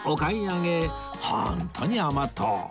ホントに甘党